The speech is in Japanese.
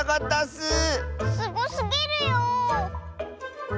すごすぎるよ。